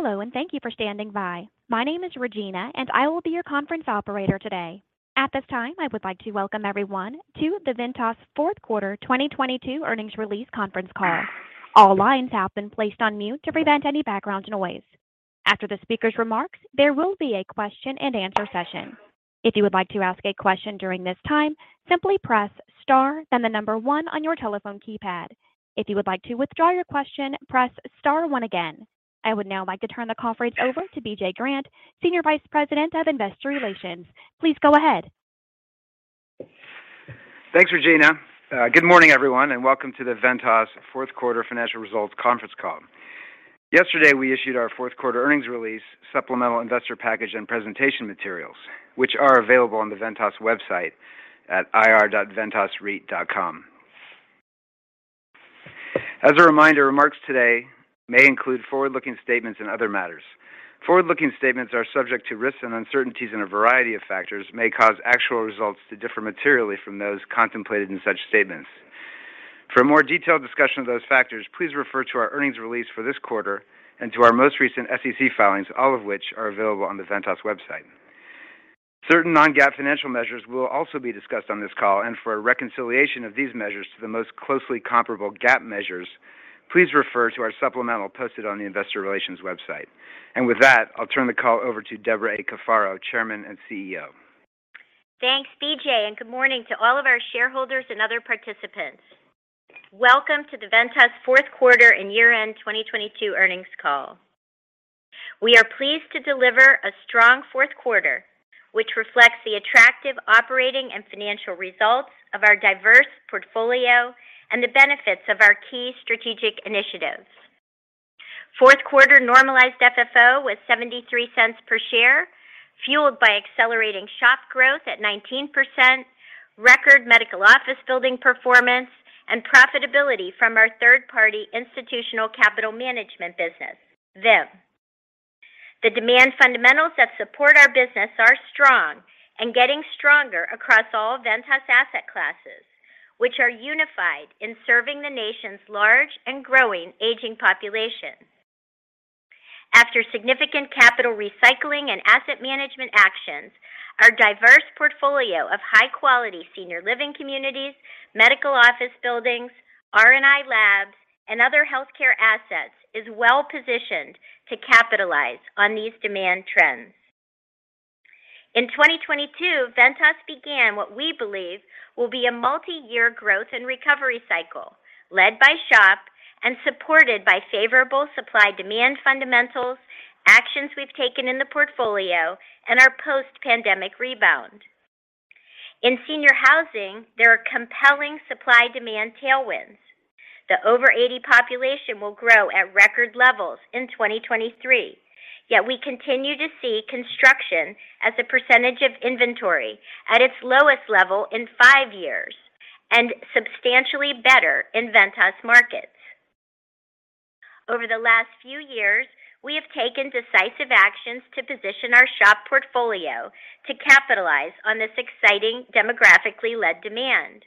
Hello. Thank you for standing by. My name is Regina. I will be your conference operator today. At this time, I would like to welcome everyone to the Ventas Fourth Quarter 2022 earnings release conference call. All lines have been placed on mute to prevent any background noise. After the speaker's remarks, there will be a question-and-answer session. If you would like to ask a question during this time, simply press star, then one on your telephone keypad. If you would like to withdraw your question, press star one again. I would now like to turn the conference over to BJ Grant, Senior Vice President of Investor Relations. Please go ahead. Thanks, Regina. Good morning, everyone, and welcome to the Ventas Fourth Quarter Financial Results conference call. Yesterday, we issued our fourth quarter earnings release, supplemental investor package, and presentation materials, which are available on the Ventas website at ir.ventasreit.com. As a reminder, remarks today may include forward-looking statements and other matters. Forward-looking statements are subject to risks and uncertainties, and a variety of factors may cause actual results to differ materially from those contemplated in such statements. For a more detailed discussion of those factors, please refer to our earnings release for this quarter and to our most recent SEC filings, all of which are available on the Ventas website. Certain non-GAAP financial measures will also be discussed on this call. For a reconciliation of these measures to the most closely comparable GAAP measures, please refer to our supplemental posted on the investor relations website. With that, I'll turn the call over to Debra A. Cafaro, Chairman and CEO. Thanks, B.J. Good morning to all of our shareholders and other participants. Welcome to the Ventas fourth quarter and year-end 2022 earnings call. We are pleased to deliver a strong fourth quarter, which reflects the attractive operating and financial results of our diverse portfolio and the benefits of our key strategic initiatives. Fourth quarter normalized FFO was $0.73 per share, fueled by accelerating SHOP growth at 19%, record medical office building performance, and profitability from our third-party institutional capital management business, VIM. The demand fundamentals that support our business are strong and getting stronger across all Ventas asset classes, which are unified in serving the nation's large and growing aging population. After significant capital recycling and asset management actions, our diverse portfolio of high-quality senior living communities, medical office buildings, R&I labs, and other healthcare assets is well-positioned to capitalize on these demand trends. In 2022, Ventas began what we believe will be a multi-year growth and recovery cycle, led by SHOP and supported by favorable supply-demand fundamentals, actions we've taken in the portfolio, and our post-pandemic rebound. In senior housing, there are compelling supply-demand tailwinds. The over-80 population will grow at record levels in 2023, yet we continue to see construction as a percentage of inventory at its lowest level in five years and substantially better in Ventas markets. Over the last few years, we have taken decisive actions to position our SHOP portfolio to capitalize on this exciting demographically led demand.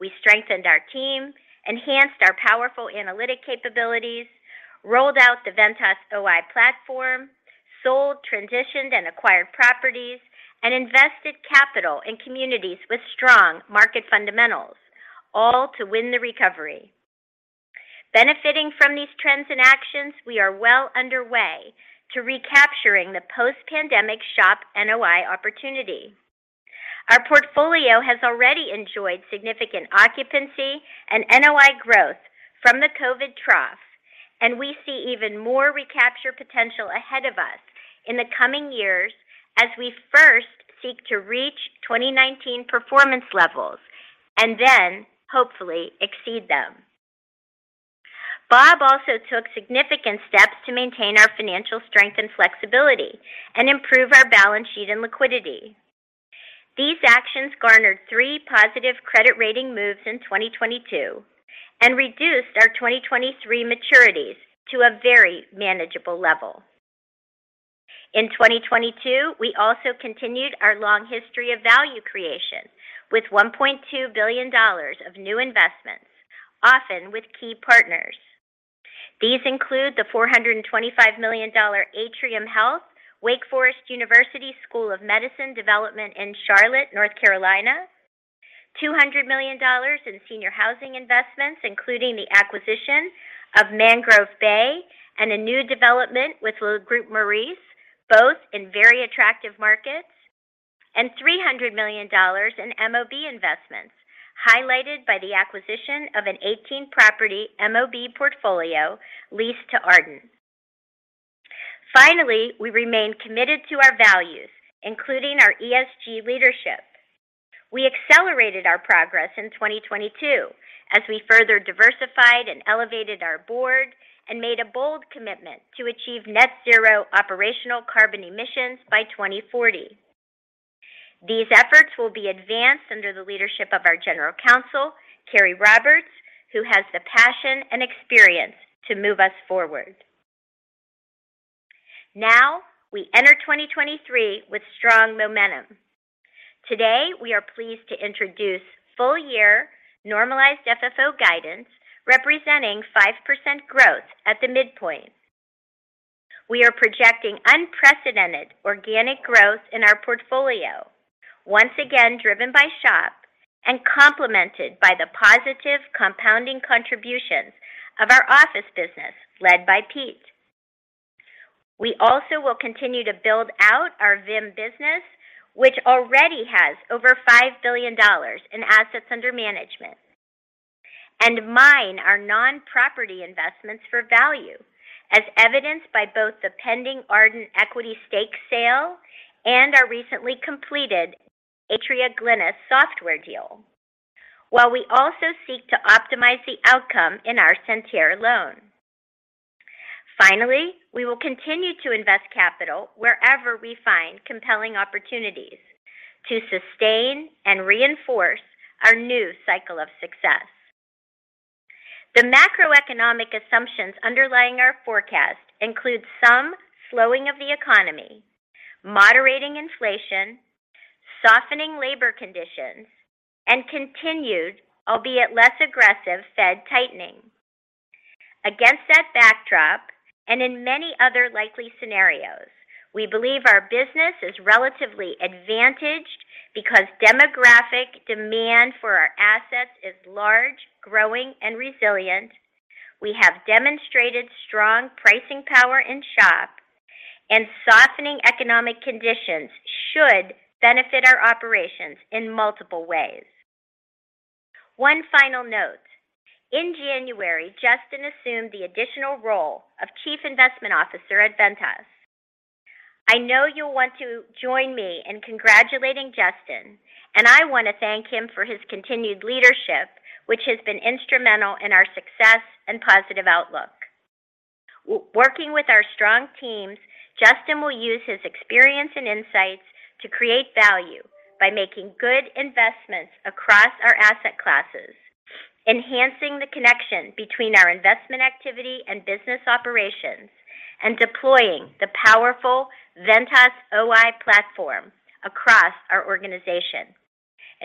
We strengthened our team, enhanced our powerful analytic capabilities, rolled out the Ventas OI platform, sold, transitioned, and acquired properties, and invested capital in communities with strong market fundamentals, all to win the recovery. Benefiting from these trends and actions, we are well underway to recapturing the post-pandemic SHOP NOI opportunity. Our portfolio has already enjoyed significant occupancy and NOI growth from the COVID trough, and we see even more recapture potential ahead of us in the coming years as we first seek to reach 2019 performance levels and then hopefully exceed them. Bob also took significant steps to maintain our financial strength and flexibility and improve our balance sheet and liquidity. These actions garnered positive credit rating moves in 2022 and reduced our 2023 maturities to a very manageable level. In 2022, we also continued our long history of value creation with $1.2 billion of new investments, often with key partners. These include the $425 million Atrium Health Wake Forest University School of Medicine development in Charlotte, North Carolina; $200 million in senior housing investments, including the acquisition of Mangrove Bay and a new development with Le Groupe Maurice, both in very attractive markets; and $300 million in MOB investments, highlighted by the acquisition of an 18-property MOB portfolio leased to Ardent. We remain committed to our values, including our ESG leadership. We accelerated our progress in 2022 as we further diversified and elevated our board and made a bold commitment to achieve net zero operational carbon emissions by 2040. These efforts will be advanced under the leadership of our General Counsel, Carey Roberts, who has the passion and experience to move us forward. Now, we enter 2023 with strong momentum. Today, we are pleased to introduce full year normalized FFO guidance representing 5% growth at the midpoint. We are projecting unprecedented organic growth in our portfolio, once again driven by SHOP and complemented by the positive compounding contributions of our office business led by Pete. We also will continue to build out our VIM business, which already has over $5 billion in assets under management, and mine our non-property investments for value, as evidenced by both the pending Ardent equity stake sale and our recently completed Atria Glennis software deal, while we also seek to optimize the outcome in our Santerre loan. Finally, we will continue to invest capital wherever we find compelling opportunities to sustain and reinforce our new cycle of success. The macroeconomic assumptions underlying our forecast include some slowing of the economy, moderating inflation, softening labor conditions, and continued, albeit less aggressive, Fed tightening. Against that backdrop and in many other likely scenarios, we believe our business is relatively advantaged because demographic demand for our assets is large, growing and resilient. We have demonstrated strong pricing power in SHOP, and softening economic conditions should benefit our operations in multiple ways. One final note. In January, Justin assumed the additional role of Chief Investment Officer at Ventas. I know you'll want to join me in congratulating Justin, and I want to thank him for his continued leadership, which has been instrumental in our success and positive outlook. Working with our strong teams, Justin will use his experience and insights to create value by making good investments across our asset classes, enhancing the connection between our investment activity and business operations, and deploying the powerful Ventas OI platform across our organization.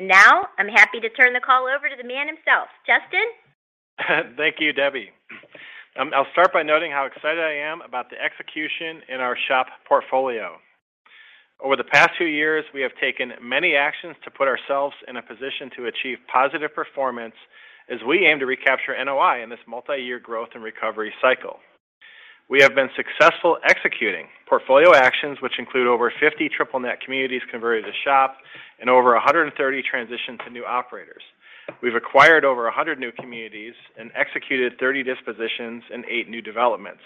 Now I'm happy to turn the call over to the man himself. Justin? Thank you, Debbie. I'll start by noting how excited I am about the execution in our SHOP portfolio. Over the past few years, we have taken many actions to put ourselves in a position to achieve positive performance as we aim to recapture NOI in this multiyear growth and recovery cycle. We have been successful executing portfolio actions which include over 50 triple net communities converted to SHOP and over 130 transitions to new operators. We've acquired over 100 new communities and executed 30 dispositions and 8 new developments.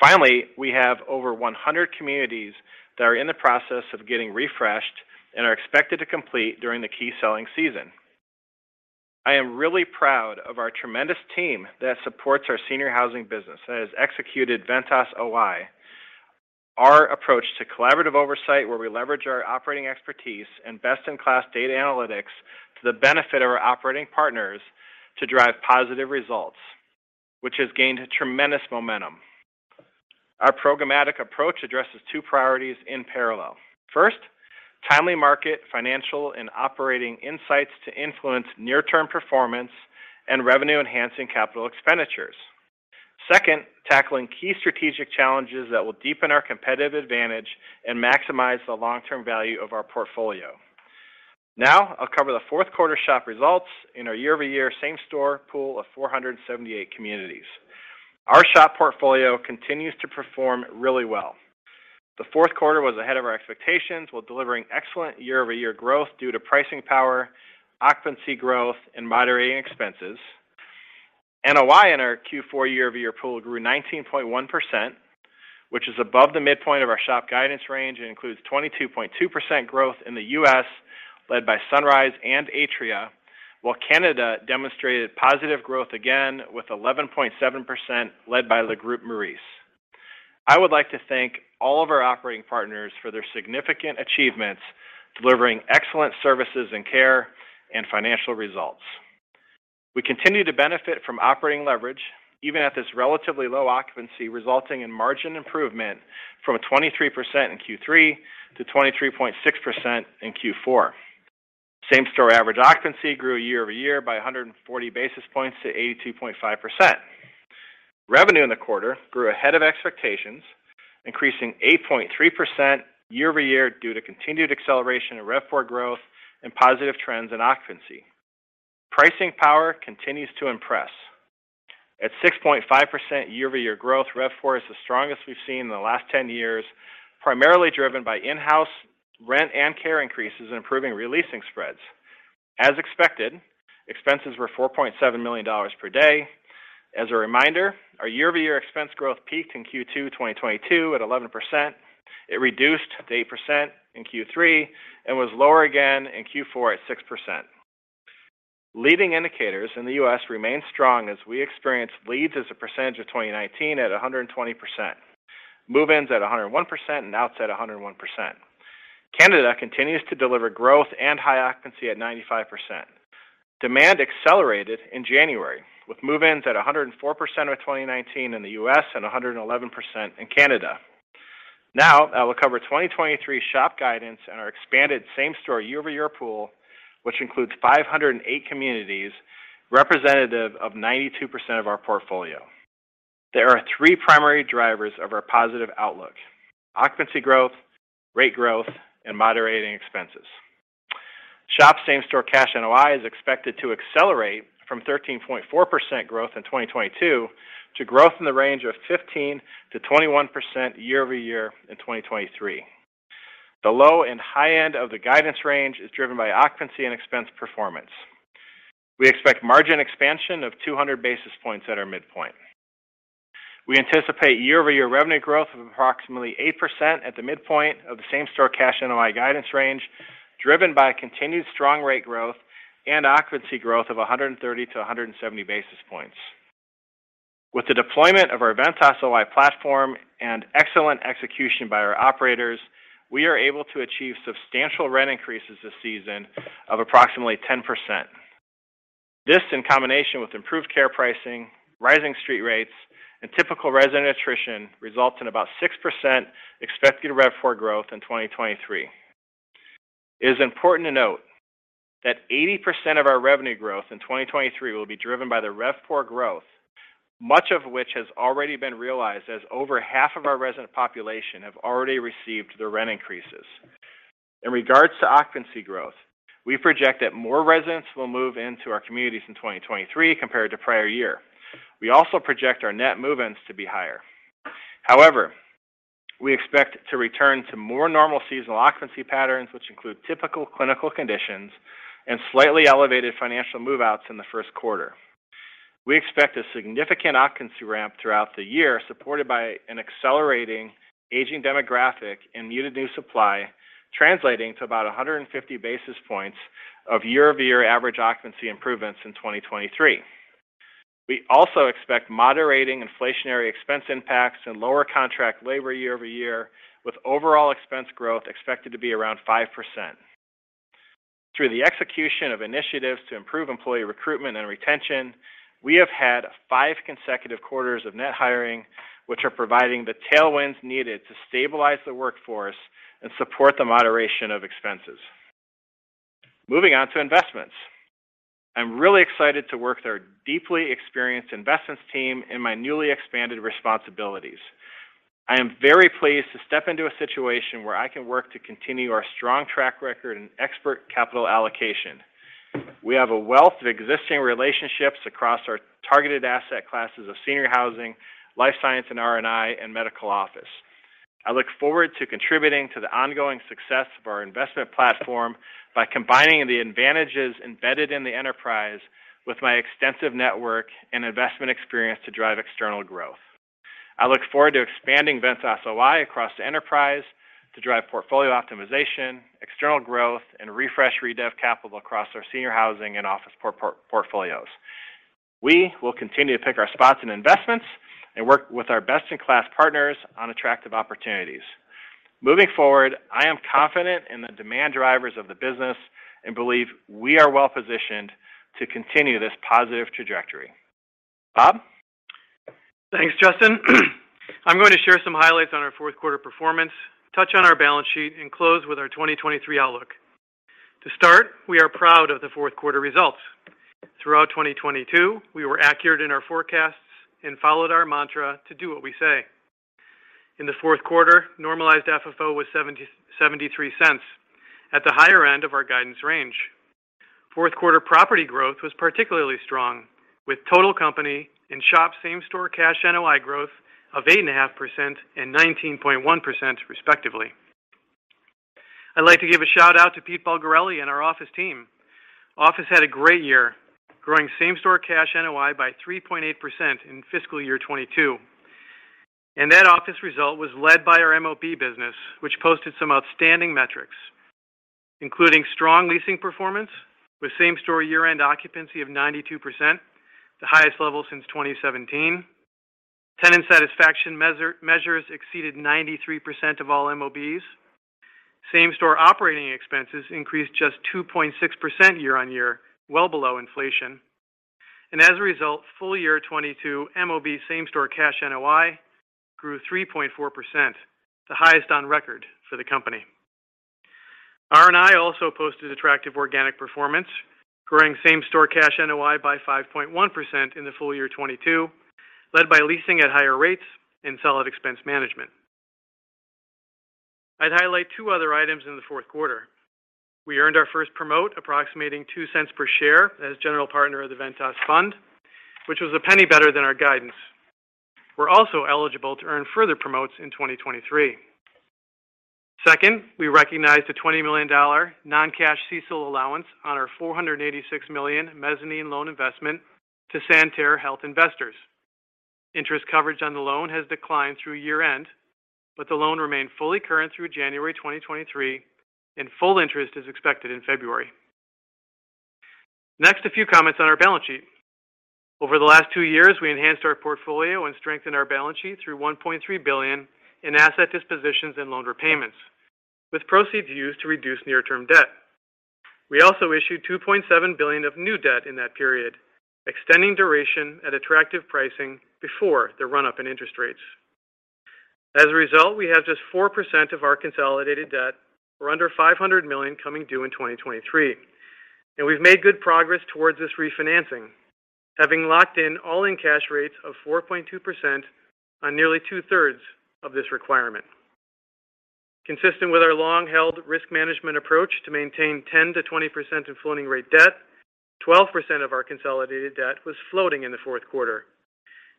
Finally, we have over 100 communities that are in the process of getting refreshed and are expected to complete during the key selling season. I am really proud of our tremendous team that supports our senior housing business that has executed Ventas OI. Our approach to collaborative oversight, where we leverage our operating expertise and best-in-class data analytics to the benefit of our operating partners to drive positive results, which has gained tremendous momentum. Our programmatic approach addresses 2 priorities in parallel. First, timely market, financial, and operating insights to influence near-term performance and revenue-enhancing capital expenditures. Second, tackling key strategic challenges that will deepen our competitive advantage and maximize the long-term value of our portfolio. Now, I'll cover the fourth quarter SHOP results in our year-over-year same store pool of 478 communities. Our SHOP portfolio continues to perform really well. The fourth quarter was ahead of our expectations while delivering excellent year-over-year growth due to pricing power, occupancy growth, and moderating expenses. NOI in our Q4 year-over-year pool grew 19.1%, which is above the midpoint of our SHOP guidance range and includes 22.2% growth in the U.S., led by Sunrise and Atria, while Canada demonstrated positive growth again with 11.7% led by Le Groupe Maurice. I would like to thank all of our operating partners for their significant achievements, delivering excellent services and care and financial results. We continue to benefit from operating leverage even at this relatively low occupancy, resulting in margin improvement from a 23% in Q3 to 23.6% in Q4. Same-store average occupancy grew year-over-year by 140 basis points to 82.5%. Revenue in the quarter grew ahead of expectations, increasing 8.3% year-over-year due to continued acceleration in RevPAR growth and positive trends in occupancy. Pricing power continues to impress. At 6.5% year-over-year growth, RevPAR is the strongest we've seen in the last 10 years, primarily driven by in-house rent and care increases and improving re-leasing spreads. As expected, expenses were $4.7 million per day. As a reminder, our year-over-year expense growth peaked in Q2 2022 at 11%. It reduced to 8% in Q3 and was lower again in Q4 at 6%. Leading indicators in the U.S. remain strong as we experience leads as a percentage of 2019 at 120%. Move-ins at 101% and outs at 101%. Canada continues to deliver growth and high occupancy at 95%. Demand accelerated in January, with move-ins at 104% of 2019 in the U.S. and 111% in Canada. Now, I will cover 2023 SHOP guidance and our expanded same-store year-over-year pool, which includes 508 communities representative of 92% of our portfolio. There are three primary drivers of our positive outlook: occupancy growth, rate growth, and moderating expenses. SHOP same-store cash NOI is expected to accelerate from 13.4% growth in 2022 to growth in the range of 15%-21% year-over-year in 2023. The low and high end of the guidance range is driven by occupancy and expense performance. We expect margin expansion of 200 basis points at our midpoint. We anticipate year-over-year revenue growth of approximately 8% at the midpoint of the same-store cash NOI guidance range, driven by continued strong rate growth and occupancy growth of 130-170 basis points. With the deployment of our Ventas OI platform and excellent execution by our operators, we are able to achieve substantial rent increases this season of approximately 10%. This, in combination with improved care pricing, rising street rates, and typical resident attrition, results in about 6% expected REVPOR growth in 2023. It is important to note that 80% of our revenue growth in 2023 will be driven by the REVPOR growth, much of which has already been realized as over half of our resident population have already received the rent increases. In regards to occupancy growth, we project that more residents will move into our communities in 2023 compared to prior year. We also project our net move-ins to be higher. We expect to return to more normal seasonal occupancy patterns, which include typical clinical conditions and slightly elevated financial move-outs in the first quarter. We expect a significant occupancy ramp throughout the year, supported by an accelerating aging demographic and muted new supply, translating to about 150 basis points of year-over-year average occupancy improvements in 2023. We also expect moderating inflationary expense impacts and lower contract labor year-over-year, with overall expense growth expected to be around 5%. Through the execution of initiatives to improve employee recruitment and retention, we have had five consecutive quarters of net hiring, which are providing the tailwinds needed to stabilize the workforce and support the moderation of expenses. Moving on to investments. I'm really excited to work with our deeply experienced investments team in my newly expanded responsibilities. I am very pleased to step into a situation where I can work to continue our strong track record in expert capital allocation. We have a wealth of existing relationships across our targeted asset classes of senior housing, life science and R&I, and medical office. I look forward to contributing to the ongoing success of our investment platform by combining the advantages embedded in the enterprise with my extensive network and investment experience to drive external growth. I look forward to expanding Ventas OI across the enterprise to drive portfolio optimization, external growth, and refresh redev capital across our senior housing and office portfolios. We will continue to pick our spots in investments and work with our best-in-class partners on attractive opportunities. Moving forward, I am confident in the demand drivers of the business and believe we are well-positioned to continue this positive trajectory. Bob? Thanks, Justin. I'm going to share some highlights on our fourth quarter performance, touch on our balance sheet, and close with our 2023 outlook. We are proud of the fourth quarter results. Throughout 2022, we were accurate in our forecasts and followed our mantra to do what we say. In the fourth quarter, normalized FFO was $0.773, at the higher end of our guidance range. Fourth quarter property growth was particularly strong, with total company and SHOP same-store cash NOI growth of 8.5% and 19.1% respectively. I'd like to give a shout-out to Pete Bulgarelli and our office team. Office had a great year, growing same-store cash NOI by 3.8% in fiscal year 2022. That office result was led by our MOB business, which posted some outstanding metrics, including strong leasing performance with same-store year-end occupancy of 92%, the highest level since 2017. Tenant satisfaction measures exceeded 93% of all MOBs. Same-store operating expenses increased just 2.6% year-on-year, well below inflation. As a result, full year 2022 MOB same-store cash NOI grew 3.4%, the highest on record for the company. R&I also posted attractive organic performance, growing same-store cash NOI by 5.1% in the full year 2022, led by leasing at higher rates and solid expense management. I'd highlight two other items in the fourth quarter. We earned our first promote approximating $0.02 per share as general partner of the Ventas Fund, which was $0.01 better than our guidance. We're also eligible to earn further promotes in 2023. Second, we recognized a $20 million non-cash CECL allowance on our $486 million mezzanine loan investment to Santerre Health Investors. Interest coverage on the loan has declined through year-end. The loan remained fully current through January 2023, and full interest is expected in February. Next, a few comments on our balance sheet. Over the last two years, we enhanced our portfolio and strengthened our balance sheet through $1.3 billion in asset dispositions and loan repayments, with proceeds used to reduce near-term debt. We also issued $2.7 billion of new debt in that period, extending duration at attractive pricing before the run-up in interest rates. As a result, we have just 4% of our consolidated debt, or under $500 million, coming due in 2023. We've made good progress towards this refinancing, having locked in all-in cash rates of 4.2% on nearly two-thirds of this requirement. Consistent with our long-held risk management approach to maintain 10%-20% of floating rate debt, 12% of our consolidated debt was floating in the fourth quarter.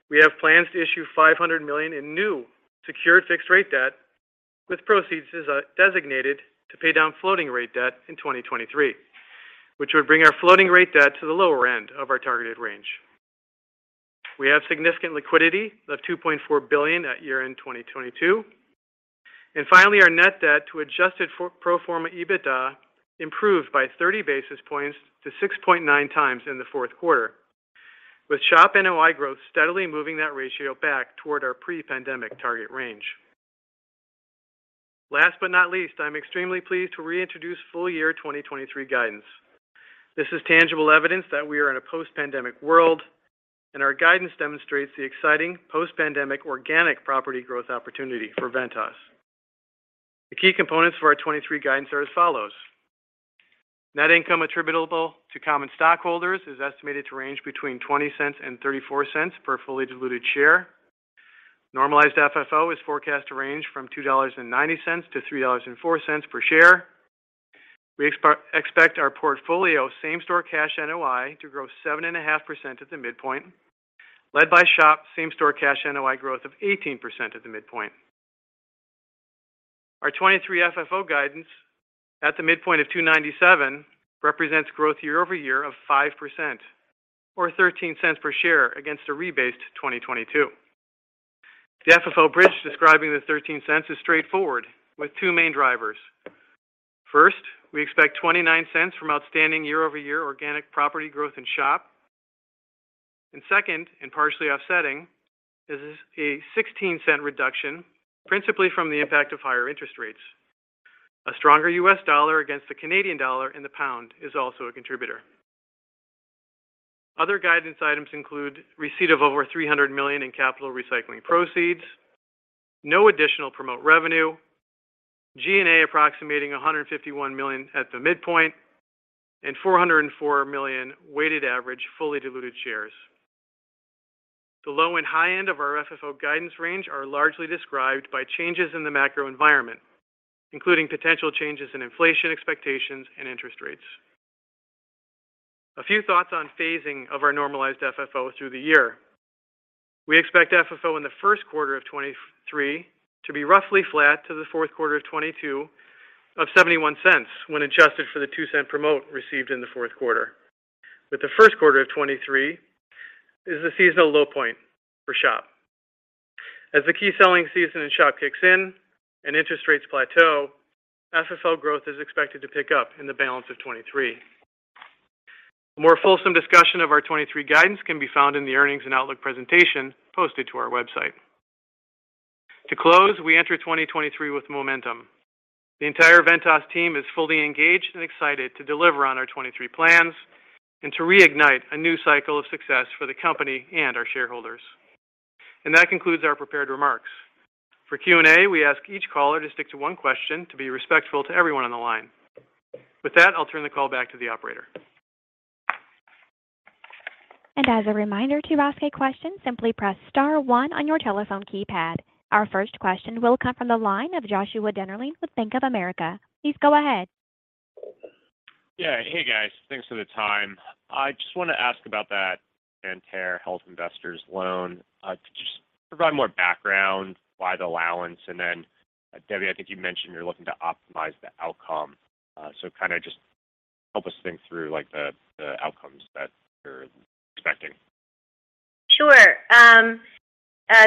We have plans to issue $500 million in new secured fixed-rate debt, with proceeds designated to pay down floating rate debt in 2023, which would bring our floating rate debt to the lower end of our targeted range. We have significant liquidity of $2.4 billion at year-end 2022. Finally, our net debt to adjusted for pro forma EBITDA improved by 30 basis points to 6.9x in the fourth quarter, with SHOP NOI growth steadily moving that ratio back toward our pre-pandemic target range. Last but not least, I'm extremely pleased to reintroduce full year 2023 guidance. This is tangible evidence that we are in a post-pandemic world, and our guidance demonstrates the exciting post-pandemic organic property growth opportunity for Ventas. The key components for our 2023 guidance are as follows. Net income attributable to common stockholders is estimated to range between $0.20 and $0.34 per fully diluted share. Normalized FFO is forecast to range from $2.90 to $3.04 per share. We expect our portfolio same-store cash NOI to grow 7.5% at the midpoint, led by SHOP same-store cash NOI growth of 18% at the midpoint. Our 2023 FFO guidance at the midpoint of $2.97 represents growth year-over-year of 5% or $0.13 per share against a rebased 2022. The FFO bridge describing the $0.13 is straightforward with two main drivers. First, we expect $0.29 from outstanding year-over-year organic property growth in SHOP. Second, and partially offsetting, is a $0.16 reduction, principally from the impact of higher interest rates. A stronger US dollar against the Canadian dollar and the pound is also a contributor. Other guidance items include receipt of over $300 million in capital recycling proceeds, no additional promote revenue, G&A approximating $151 million at the midpoint, and 404 million weighted average fully diluted shares. The low and high end of our FFO guidance range are largely described by changes in the macro environment, including potential changes in inflation expectations and interest rates. A few thoughts on phasing of our normalized FFO through the year. We expect FFO in the first quarter of 2023 to be roughly flat to the fourth quarter of 2022 of $0.71 when adjusted for the $0.02 promote received in the fourth quarter. The first quarter of 2023 is the seasonal low point for SHOP. As the key selling season in SHOP kicks in and interest rates plateau, FFO growth is expected to pick up in the balance of 2023. A more fulsome discussion of our 2023 guidance can be found in the earnings and outlook presentation posted to our website. To close, we enter 2023 with momentum. The entire Ventas team is fully engaged and excited to deliver on our 2023 plans and to reignite a new cycle of success for the company and our shareholders. That concludes our prepared remarks. For Q&A, we ask each caller to stick to one question to be respectful to everyone on the line. With that, I'll turn the call back to the operator. As a reminder, to ask a question, simply press star 1 on your telephone keypad. Our first question will come from the line of Joshua Dennerlein with Bank of America. Please go ahead. Yeah. Hey, guys. Thanks for the time. I just want to ask about that Santerre Health Investors loan. Could just provide more background, why the allowance? Then, Debbie, I think you mentioned you're looking to optimize the outcome. Kind of just help us think through, like, the outcomes that you're expecting. Sure.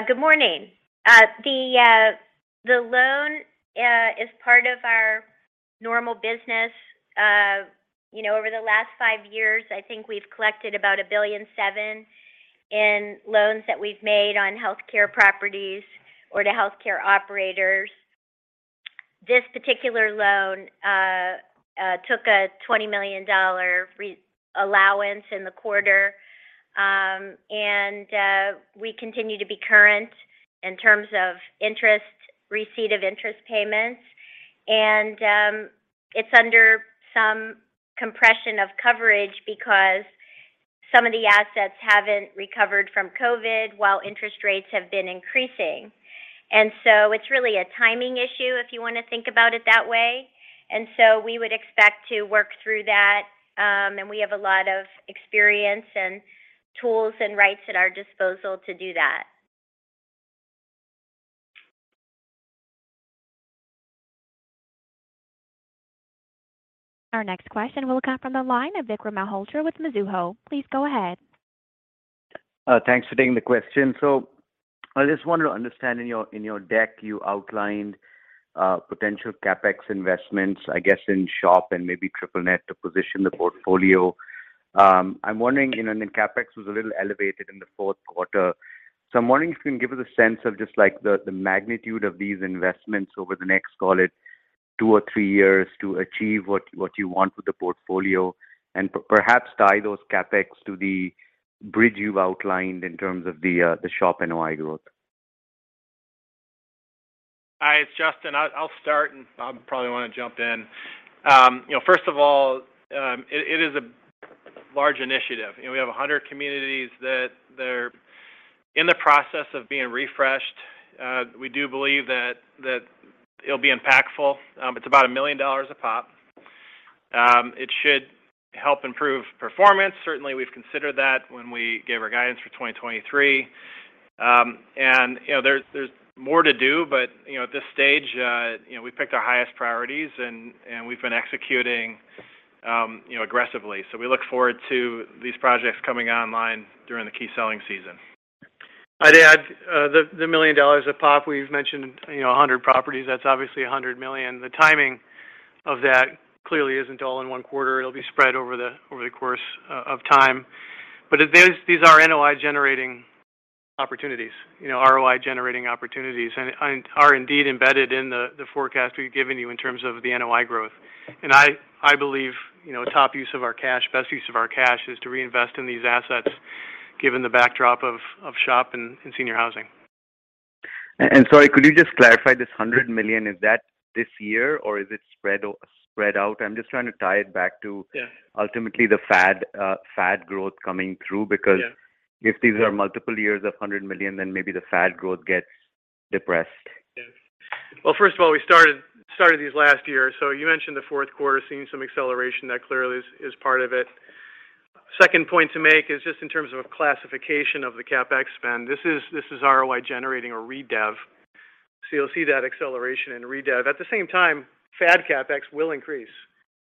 Good morning. The loan is part of our normal business. You know, over the last five years, I think we've collected about $1.7 billion in loans that we've made on healthcare properties or to healthcare operators. This particular loan took a $20 million allowance in the quarter. We continue to be current in terms of interest, receipt of interest payments. It's under some compression of coverage because some of the assets haven't recovered from COVID while interest rates have been increasing. It's really a timing issue, if you wanna think about it that way. We would expect to work through that, and we have a lot of experience and tools and rights at our disposal to do that. Our next question will come from the line of Vikram Malhotra with Mizuho. Please go ahead. Thanks for taking the question. I just wanted to understand in your, in your deck, you outlined potential CapEx investments, I guess, in SHOP and maybe triple net to position the portfolio. I'm wondering, you know, then CapEx was a little elevated in the fourth quarter. I'm wondering if you can give us a sense of just like the magnitude of these investments over the next, call it two or three years to achieve what you want with the portfolio and perhaps tie those CapEx to the bridge you've outlined in terms of the SHOP NOI growth. Hi, it's Justin. I'll start, and Bob probably wanna jump in. You know, first of all, it is a large initiative. You know, we have 100 communities that they're in the process of being refreshed. We do believe that it'll be impactful. It's about $1 million a pop. It should help improve performance. Certainly, we've considered that when we gave our guidance for 2023. You know, there's more to do, but, you know, at this stage, you know, we picked our highest priorities and we've been executing, you know, aggressively. We look forward to these projects coming online during the key selling season. I'd add, the $1 million a pop we've mentioned, you know, 100 properties, that's obviously $100 million. The timing of that clearly isn't all in 1 quarter. It'll be spread over the course of time. These are NOI generating opportunities. You know, ROI generating opportunities and are indeed embedded in the forecast we've given you in terms of the NOI growth. I believe, you know, top use of our cash, best use of our cash is to reinvest in these assets given the backdrop of SHOP and senior housing. Sorry, could you just clarify this $100 million, is that this year, or is it spread out? I'm just trying to tie it back to. Yeah... ultimately the FAD growth coming through. Yeah... if these are multiple years of $100 million, then maybe the FAD growth gets depressed. Yeah. Well, first of all, we started these last year. You mentioned the fourth quarter seeing some acceleration. That clearly is part of it. Second point to make is just in terms of classification of the CapEx spend. This is ROI generating or redev. You'll see that acceleration in redev. At the same time, FAD CapEx will increase.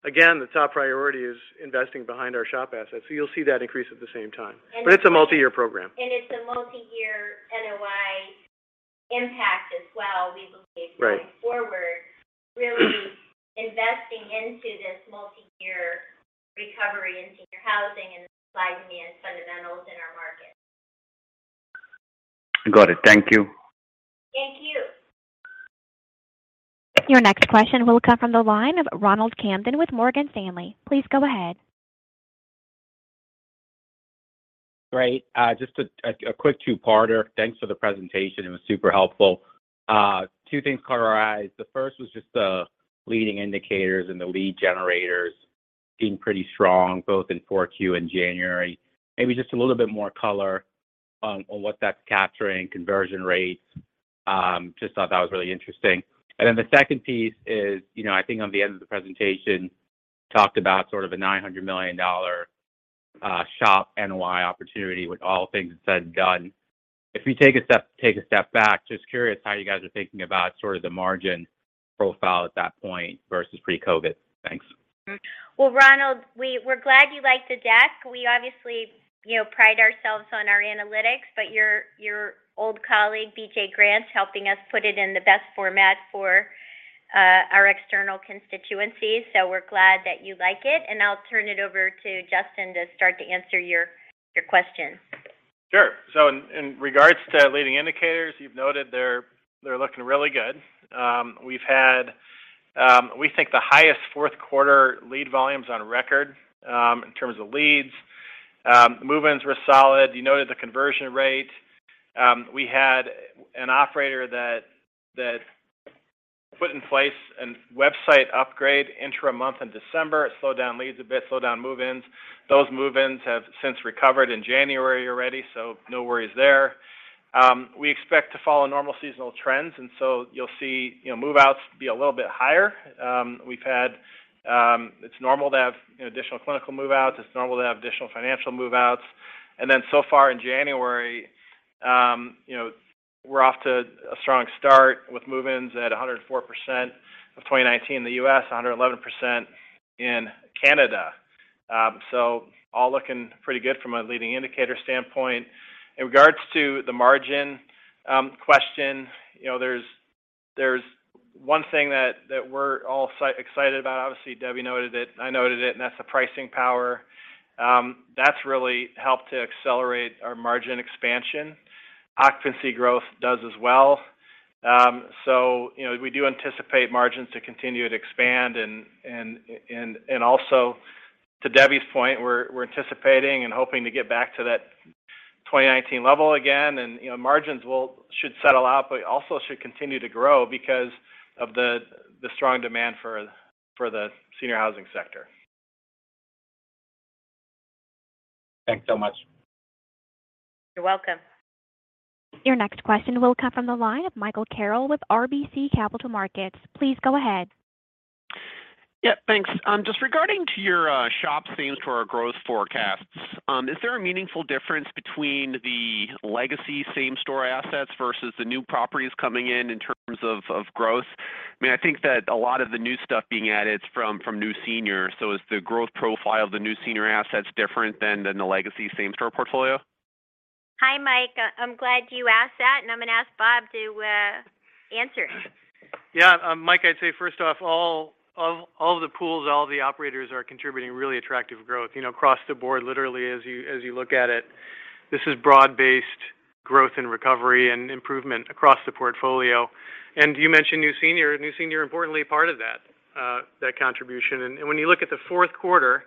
Again, the top priority is investing behind our SHOP assets. You'll see that increase at the same time. It's a multi-year program. it's a multi-year NOI impact as well, we believe. Right... going forward, really investing into this multi-year recovery in senior housing and supply demand fundamentals in our market. Got it. Thank you. Thank you. Your next question will come from the line of Ronald Kamdem with Morgan Stanley. Please go ahead. Great. Just a quick two-parter. Thanks for the presentation. It was super helpful. Two things caught our eyes. The first was just the leading indicators and the lead generators being pretty strong, both in four Q and January. Maybe just a little bit more color on what that's capturing, conversion rates. Just thought that was really interesting. The second piece is, you know, I think on the end of the presentation, talked about sort of a $900 million SHOP NOI opportunity with all things said and done. If we take a step back, just curious how you guys are thinking about sort of the margin profile at that point versus pre-COVID. Thanks. Well, Ronald, we're glad you liked the deck. We obviously, you know, pride ourselves on our analytics, but your old colleague, BJ Grant, helping us put it in the best format for our external constituencies. We're glad that you like it. I'll turn it over to Justin to start to answer your question. Sure. In, in regards to leading indicators, you've noted they're looking really good. We've had, we think the highest fourth quarter lead volumes on record in terms of leads. Move-ins were solid. You noted the conversion rate. We had an operator that put in place a website upgrade interim month in December. It slowed down leads a bit, slowed down move-ins. Those move-ins have since recovered in January already, so no worries there. We expect to follow normal seasonal trends, you'll see, you know, move-outs be a little bit higher. We've had, it's normal to have, you know, additional clinical move-outs. It's normal to have additional financial move-outs. So far in January, you know, we're off to a strong start with move-ins at 104% of 2019 in the U.S., 111% in Canada. All looking pretty good from a leading indicator standpoint. In regards to the margin question, you know, there's one thing that we're all excited about. Obviously, Debbie noted it, I noted it, and that's the pricing power. That's really helped to accelerate our margin expansion. Occupancy growth does as well. You know, we do anticipate margins to continue to expand and also to Debbie's point, we're anticipating and hoping to get back to that 2019 level again. You know, margins should settle out, but also should continue to grow because of the strong demand for the senior housing sector. Thanks so much. You're welcome. Your next question will come from the line of Michael Carroll with RBC Capital Markets. Please go ahead. Yeah, thanks. Just regarding to your SHOP same-store growth forecasts, is there a meaningful difference between the legacy same-store assets versus the new properties coming in in terms of growth? I mean, I think that a lot of the new stuff being added is from new seniors. Is the growth profile of the new senior assets different than the legacy same-store portfolio? Hi, Mike. I'm glad you asked that, and I'm gonna ask Bob to answer it. Yeah. Mike, I'd say first off, all the pools, all the operators are contributing really attractive growth, you know, across the board, literally, as you look at it. This is broad-based growth and recovery and improvement across the portfolio. You mentioned New Senior. New Senior importantly a part of that contribution. When you look at the fourth quarter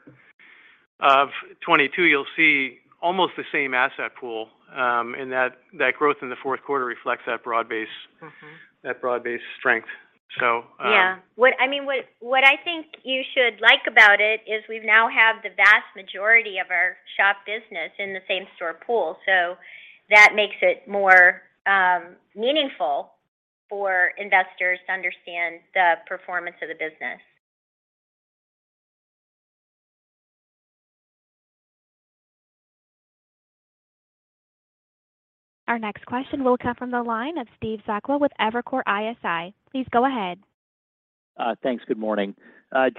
of 2022, you'll see almost the same asset pool, and that growth in the fourth quarter reflects that broad base- Mm-hmm... that broad-based strength. Yeah. I mean, what I think you should like about it is we now have the vast majority of our SHOP business in the same-store pool. That makes it more meaningful for investors to understand the performance of the business. Our next question will come from the line of Steve Sakwa with Evercore ISI. Please go ahead. Thanks. Good morning.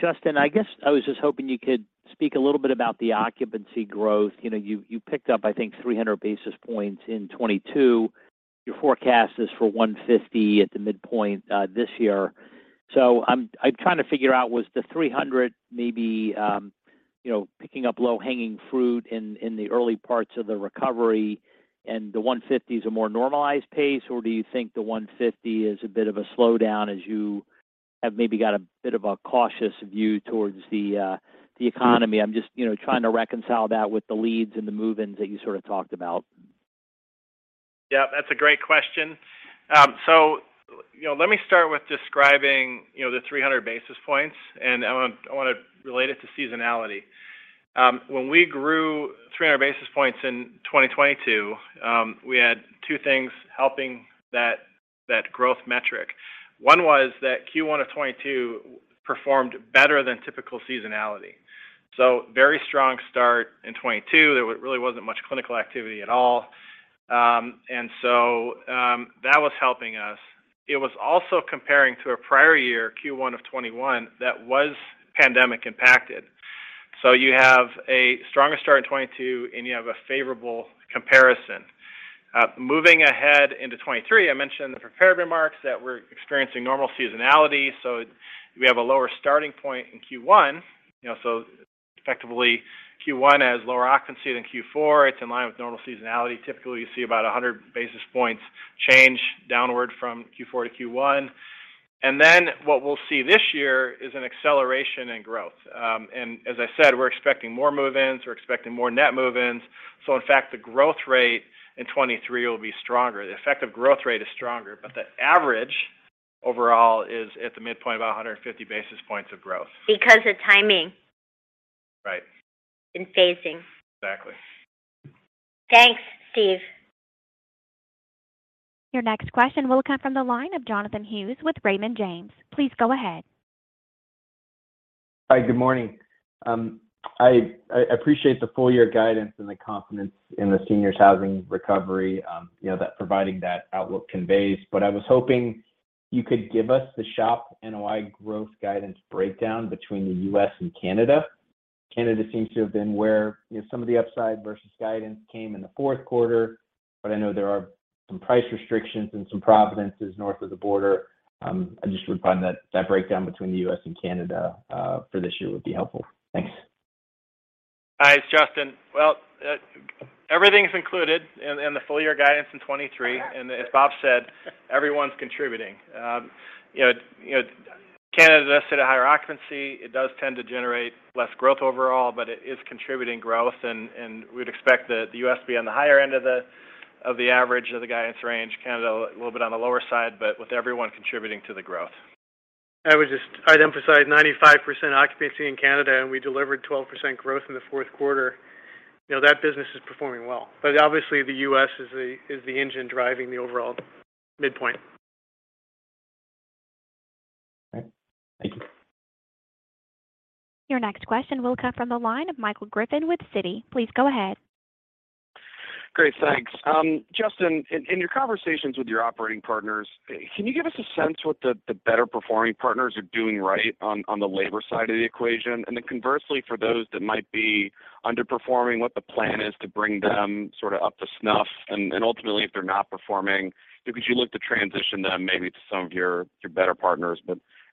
Justin, I guess I was just hoping you could speak a little bit about the occupancy growth. You know, you picked up, I think, 300 basis points in 2022. Your forecast is for 150 at the midpoint, this year. I'm trying to figure out, was the 300 maybe, you know, picking up low-hanging fruit in the early parts of the recovery and the 150's a more normalized pace, or do you think the 150 is a bit of a slowdown as you have maybe got a bit of a cautious view towards the economy? I'm just, you know, trying to reconcile that with the leads and the move-ins that you sort of talked about. Yeah, that's a great question. You know, let me start with describing, you know, the 300 basis points, and I wanna relate it to seasonality. When we grew 300 basis points in 2022, we had two things helping that growth metric. One was that Q1 of 2022 performed better than typical seasonality. Very strong start in 2022. There really wasn't much clinical activity at all. That was helping us. It was also comparing to a prior year, Q1 of 2021, that was pandemic impacted. You have a stronger start in 2022, and you have a favorable comparison. Moving ahead into 2023, I mentioned in the prepared remarks that we're experiencing normal seasonality, so we have a lower starting point in Q1. You know, effectively Q1 has lower occupancy than Q4. It's in line with normal seasonality. Typically, you see about 100 basis points change downward from Q4 to Q1. What we'll see this year is an acceleration in growth. As I said, we're expecting more move-ins. We're expecting more net move-ins. In fact, the growth rate in 2023 will be stronger. The effective growth rate is stronger, but the average overall is at the midpoint of about 150 basis points of growth. Because of timing. Right. Phasing. Exactly. Thanks, Steve. Your next question will come from the line of Jonathan Hughes with Raymond James. Please go ahead. Hi. Good morning. I appreciate the full year guidance and the confidence in the senior housing recovery, you know, that providing that outlook conveys. I was hoping you could give us the SHOP NOI growth guidance breakdown between the U.S. and Canada. Canada seems to have been where, you know, some of the upside versus guidance came in the fourth quarter, but I know there are some price restrictions in some provinces north of the border. I just would find that breakdown between the U.S. and Canada for this year would be helpful. Thanks. Hi, it's Justin. Well, everything's included in the full year guidance in 2023. As Bob said, everyone's contributing. You know, Canada does sit at a higher occupancy. It does tend to generate less growth overall, but it is contributing growth and we'd expect the U.S. be on the higher end of the average of the guidance range. Canada a little bit on the lower side, but with everyone contributing to the growth. I'd emphasize 95% occupancy in Canada, and we delivered 12% growth in the fourth quarter. You know, that business is performing well. Obviously the US is the engine driving the overall midpoint. All right. Thank you. Your next question will come from the line of Michael Griffin with Citi. Please go ahead. Great. Thanks. Justin, in your conversations with your operating partners, can you give us a sense what the better performing partners are doing right on the labor side of the equation? Conversely, for those that might be underperforming, what the plan is to bring them sort of up to snuff. Ultimately, if they're not performing, would you look to transition them maybe to some of your better partners?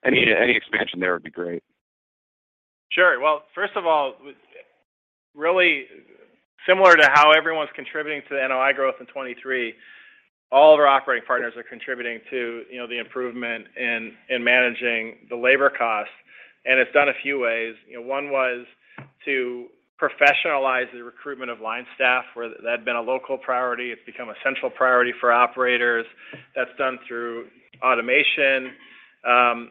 Any expansion there would be great. Sure. Well, first of all, really similar to how everyone's contributing to the NOI growth in 2023, all of our operating partners are contributing to, you know, the improvement in managing the labor costs. It's done a few ways. You know, one was to professionalize the recruitment of line staff, where that had been a local priority. It's become a central priority for operators. That's done through automation.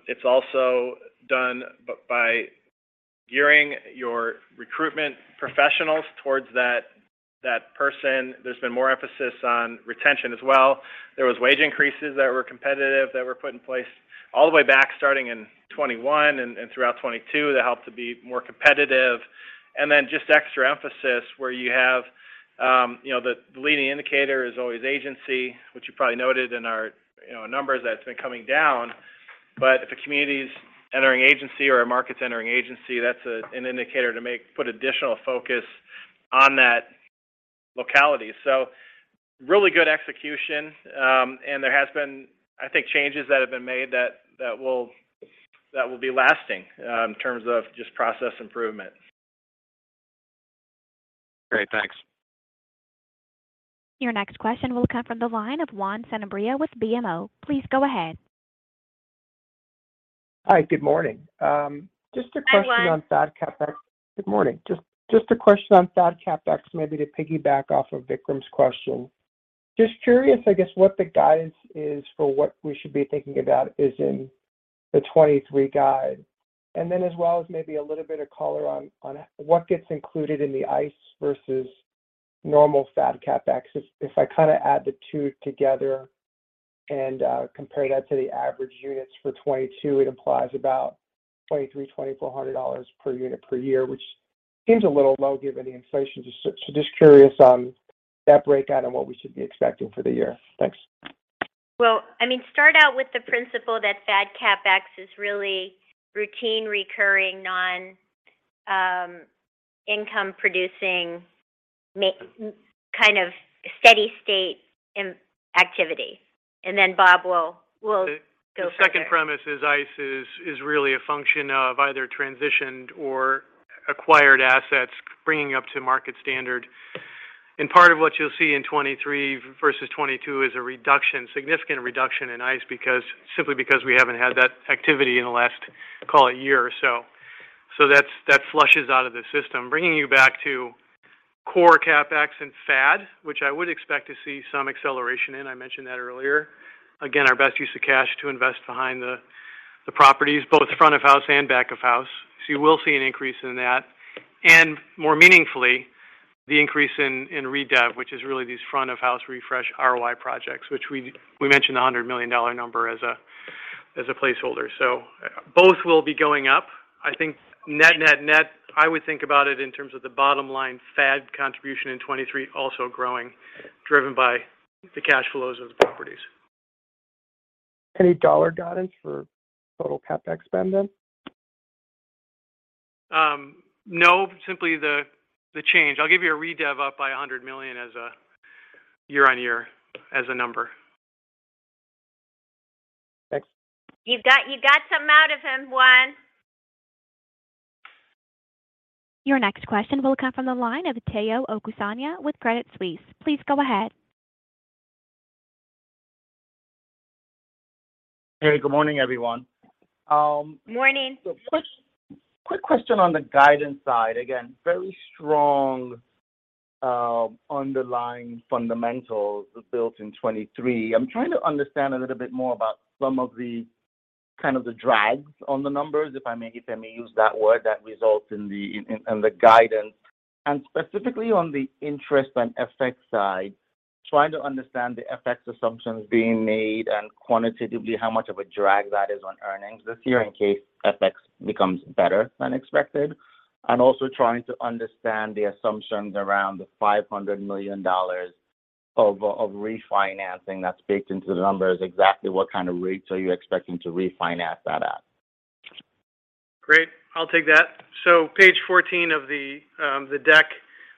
It's also done by gearing your recruitment professionals towards that person. There's been more emphasis on retention as well. There was wage increases that were competitive, that were put in place all the way back starting in 2021 and throughout 2022 that helped to be more competitive. Just extra emphasis where you have, you know, the leading indicator is always agency, which you probably noted in our, you know, numbers that's been coming down. If a community's entering agency or a market's entering agency, that's an indicator to put additional focus on that locality. Really good execution. There has been, I think, changes that have been made that will be lasting, in terms of just process improvement. Great. Thanks. Your next question will come from the line of Juan Sanabria with BMO. Please go ahead. Hi. Good morning. Just a question. Hi, Juan. on FAD CapEx. Good morning. Just a question on FAD CapEx, maybe to piggyback off of Vikram's question. Just curious, I guess, what the guidance is for what we should be thinking about is in the 23 guide. As well as maybe a little bit of color on what gets included in the ICE versus normal FAD CapEx. If I kinda add the two together and compare that to the average units for 22, it implies about $2,300-$2,400 per unit per year, which seems a little low given the inflation. So just curious on that breakout and what we should be expecting for the year. Thanks. Well, I mean, start out with the principle that FAD CapEx is really routine recurring non, income producing kind of steady state in activity. Bob will go further. The second premise is ICE is really a function of either transitioned or acquired assets bringing up to market standard. Part of what you'll see in 2023 versus 2022 is a reduction, significant reduction in ICE simply because we haven't had that activity in the last, call it year or so. That's, that flushes out of the system. Bringing you back to core CapEx and FAD, which I would expect to see some acceleration in, I mentioned that earlier. Our best use of cash to invest behind the properties, both front of house and back of house. You will see an increase in that. More meaningfully, the increase in redev, which is really these front of house refresh ROI projects, which we mentioned the $100 million number as a placeholder. Both will be going up. I think net, I would think about it in terms of the bottom line FAD contribution in 2023 also growing, driven by the cash flows of the properties. Any dollar guidance for total CapEx spend then? No. Simply the change. I'll give you a redev up by $100 million as a year-on-year as a number. Thanks. You got something out of him, Juan. Your next question will come from the line of Tayo Okusanya with Credit Suisse. Please go ahead. Hey, good morning, everyone. Morning. quick question on the guidance side. Again, very strong underlying fundamentals built in 2023. I'm trying to understand a little bit more about some of the kind of the drags on the numbers, if I may use that word that results in the on the guidance. Specifically on the interest and FX side, trying to understand the FX assumptions being made and quantitatively how much of a drag that is on earnings this year in case FX becomes better than expected. Also trying to understand the assumptions around the $500 million of refinancing that's baked into the numbers. Exactly what kind of rates are you expecting to refinance that at? Great. I'll take that. Page 14 of the deck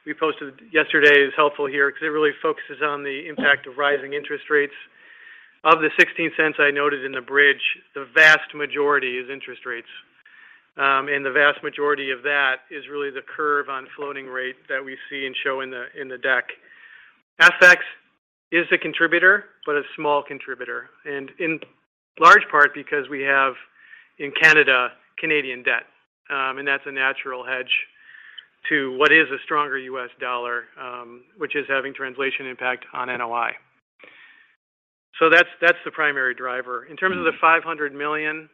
we posted yesterday is helpful here because it really focuses on the impact of rising interest rates. Of the $0.16 I noted in the bridge, the vast majority is interest rates. And the vast majority of that is really the curve on floating rate that we see and show in the, in the deck. FX is a contributor, but a small contributor. In large part because we have in Canada, Canadian debt, and that's a natural hedge to what is a stronger US dollar, which is having translation impact on NOI. That's the primary driver. In terms of the $500 million,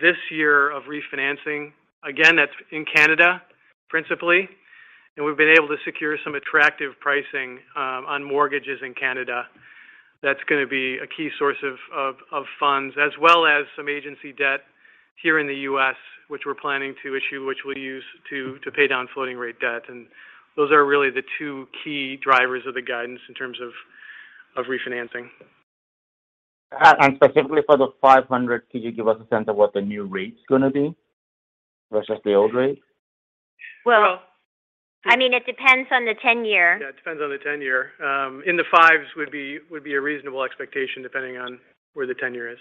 this year of refinancing, again, that's in Canada, principally, and we've been able to secure some attractive pricing, on mortgages in Canada. That's gonna be a key source of funds, as well as some agency debt here in the U.S., which we're planning to issue, which we'll use to pay down floating rate debt. Those are really the two key drivers of the guidance in terms of refinancing. Specifically for the 500, could you give us a sense of what the new rate's gonna be versus the old rate? Well, I mean, it depends on the ten-year. Yeah, it depends on the 10-year. In the fives would be a reasonable expectation depending on where the 10-year is.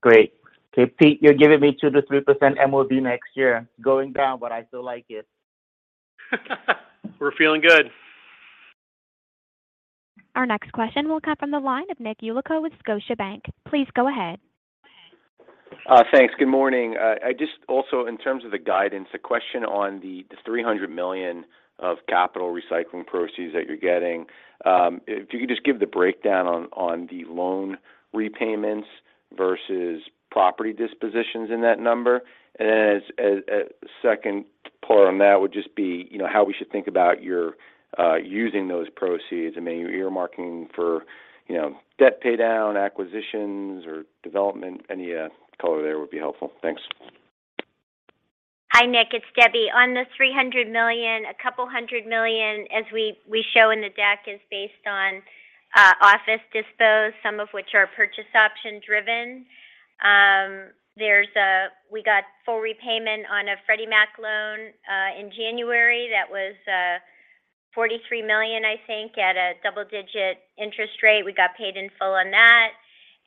Great. Pete, you're giving me 2% to 3% MOB next year. Going down, I still like it. We're feeling good. Our next question will come from the line of Nick Yulico with Scotiabank. Please go ahead. Thanks. Good morning. I just also in terms of the guidance, a question on the $300 million of capital recycling proceeds that you're getting. If you could just give the breakdown on the loan repayments versus property dispositions in that number. As a second part on that would just be, you know, how we should think about your using those proceeds. I mean, you're earmarking for, you know, debt pay down, acquisitions, or development. Any color there would be helpful. Thanks. Hi, Nick, it's Debbie. On the $300 million, a couple hundred million, as we show in the deck, is based on office dispose, some of which are purchase option-driven. We got full repayment on a Freddie Mac loan in January that was $43 million, I think, at a double-digit interest rate. We got paid in full on that.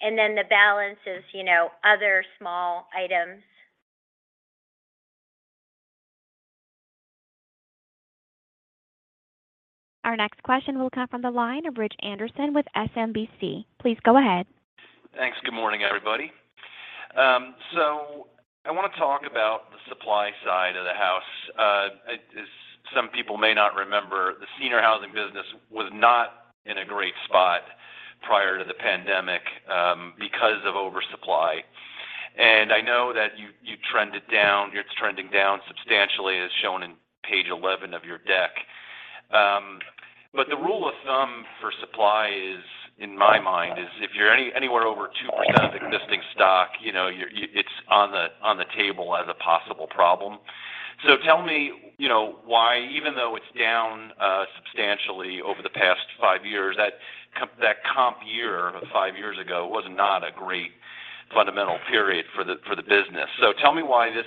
Then the balance is, you know, other small items. Our next question will come from the line of Rich Anderson with SMBC. Please go ahead. Thanks. Good morning, everybody. I wanna talk about the supply side of the house. As some people may not remember, the senior housing business was not in a great spot prior to the pandemic because of oversupply. I know that you, it's trending down substantially, as shown in page 11 of your deck. The rule of thumb for supply is, in my mind, is if you're anywhere over 2% of existing stock, you know, it's on the table as a possible problem. Tell me, you know, why, even though it's down substantially over the past five years, that comp year of five years ago was not a great fundamental period for the business. Tell me why this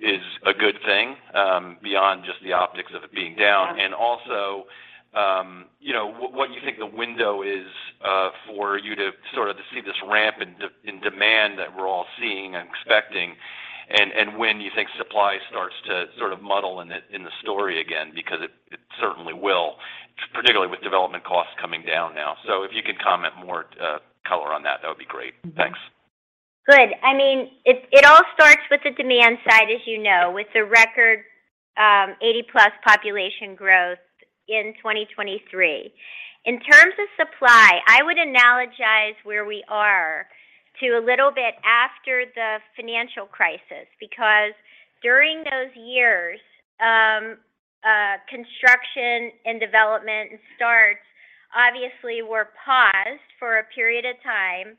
is a good thing, beyond just the optics of it being down. Also, you know, what you think the window is for you to sort of to see this ramp in demand that we're all seeing and expecting, and when you think supply starts to sort of muddle in the story again, because it certainly will, particularly with development costs coming down now. If you can comment more color on that would be great. Thanks. Good. I mean, it all starts with the demand side, as you know, with the record, 80-plus population growth in 2023. In terms of supply, I would analogize where we are to a little bit after the financial crisis because during those years, construction and development and starts obviously were paused for a period of time,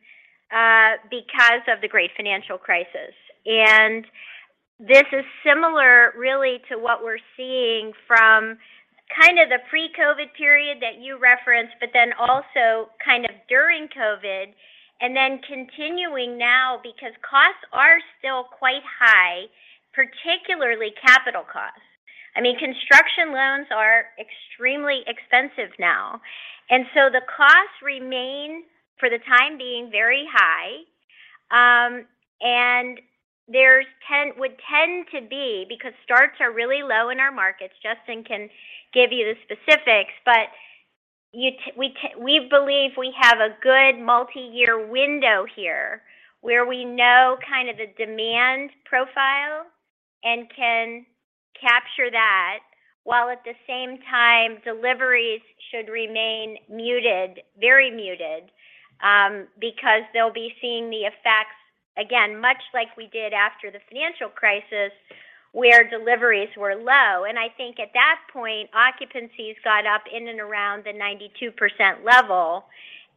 because of the Great Financial Crisis. This is similar really to what we're seeing from kind of the pre-COVID period that you referenced but then also kind of during COVID and then continuing now because costs are still quite high, particularly capital costs. I mean, construction loans are extremely expensive now. The costs remain, for the time being, very high. And there's tend to be, because starts are really low in our markets. Justin can give you the specifics, but we believe we have a good multiyear window here where we know kind of the demand profile and can capture that while at the same time deliveries should remain muted, very muted, because they'll be seeing the effects, again, much like we did after the financial crisis, where deliveries were low. I think at that point, occupancies got up in and around the 92% level,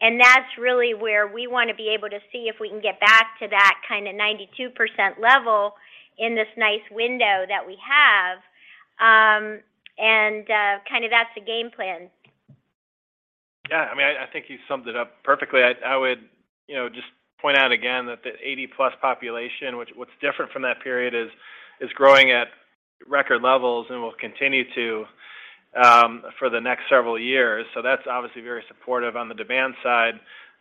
and that's really where we wanna be able to see if we can get back to that kinda 92% level in this nice window that we have. Kind of that's the game plan. Yeah. I mean, I think you summed it up perfectly. I would, you know, just point out again that the 80-plus population, which what's different from that period is growing at record levels and will continue to for the next several years. That's obviously very supportive. On the demand side,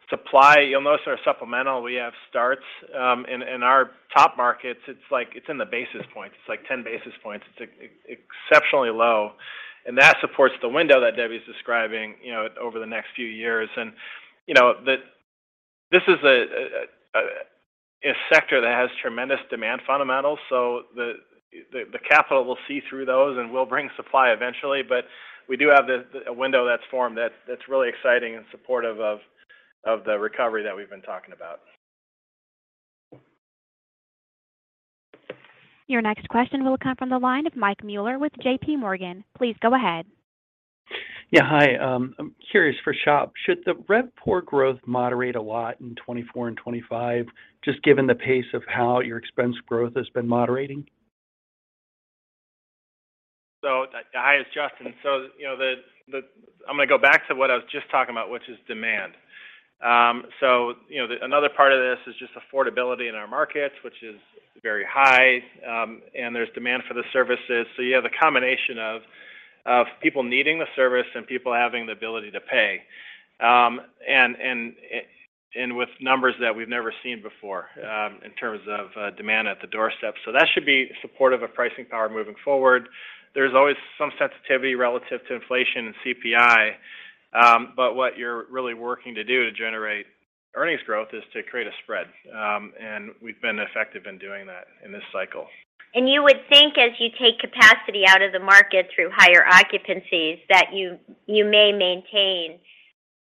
supply, you'll notice our supplemental, we have starts in our top markets. It's like it's in the basis points. It's like 10 basis points. It's exceptionally low. That supports the window that Debbie's describing, you know, over the next few years. You know, this is a sector that has tremendous demand fundamentals, so the capital will see through those, and we'll bring supply eventually. We do have a window that's formed that's really exciting and supportive of the recovery that we've been talking about. Your next question will come from the line of Mike Mueller with J.P. Morgan. Please go ahead. Yeah. Hi. I'm curious for SHOP. Should the RevPOR growth moderate a lot in 2024 and 2025 just given the pace of how your expense growth has been moderating? Hi. It's Justin. You know, I'm gonna go back to what I was just talking about, which is demand. You know, another part of this is just affordability in our markets, which is very high, and there's demand for the services. You have a combination of people needing the service and people having the ability to pay, and with numbers that we've never seen before, in terms of demand at the doorstep. That should be supportive of pricing power moving forward. There's always some sensitivity relative to inflation and CPI. What you're really working to do to generate earnings growth is to create a spread. We've been effective in doing that in this cycle. You would think as you take capacity out of the market through higher occupancies that you may maintain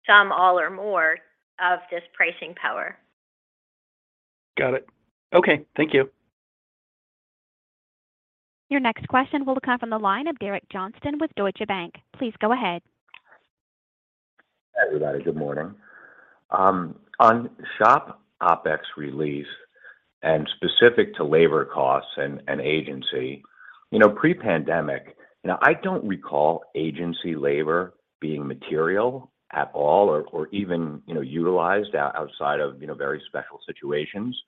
some, all, or more of this pricing power. Got it. Okay, thank you. Your next question will come from the line of Derek Johnston with Deutsche Bank. Please go ahead. Hi, everybody. Good morning. on SHOP OpEx relief and specific to labor costs and agency, you know, pre-pandemic, you know, I don't recall agency labor being material at all or even, you know, utilized outside of, you know, very special situations.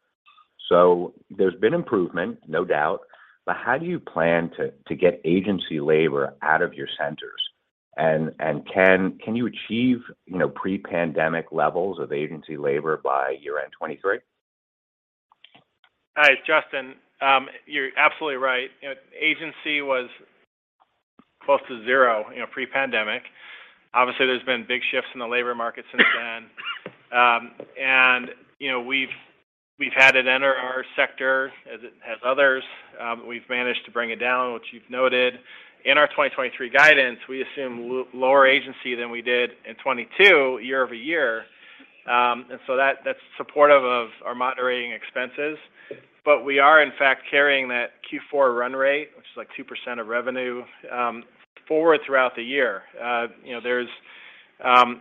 There's been improvement, no doubt, but how do you plan to get agency labor out of your centers? Can you achieve, you know, pre-pandemic levels of agency labor by year-end 2023? Hi, Justin. You're absolutely right. You know, agency was close to 0, you know, pre-pandemic. Obviously, there's been big shifts in the labor market since then. You know, we've had it enter our sector as it has others. We've managed to bring it down, which you've noted. In our 2023 guidance, we assume lower agency than we did in 2022 year-over-year. That's supportive of our moderating expenses. We are, in fact, carrying that Q4 run rate, which is, like, 2% of revenue, forward throughout the year. You know, there's.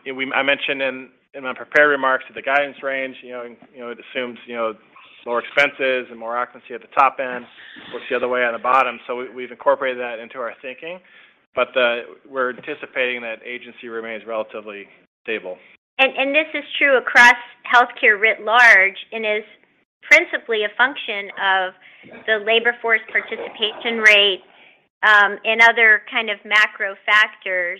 You know, I mentioned in my prepared remarks that the guidance range, you know, you know, it assumes, you know, lower expenses and more occupancy at the top end works the other way on the bottom. We've incorporated that into our thinking. We're anticipating that agency remains relatively stable. This is true across healthcare writ large and is principally a function of the labor force participation rate and other kind of macro factors.